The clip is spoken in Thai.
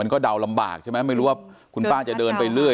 ก็เดาลำบากใช่ไหมไม่รู้ว่าคุณป้าจะเดินไปเรื่อย